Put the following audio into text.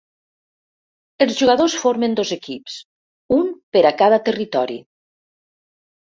Els jugadors formen dos equips, un per a cada territori.